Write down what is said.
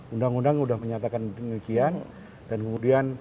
undang undang sudah menyatakan demikian dan kemudian